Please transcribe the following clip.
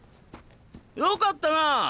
よかったなあ。